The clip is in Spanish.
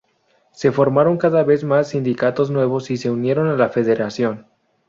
Se formaron cada vez más sindicatos nuevos y se unieron a la federación.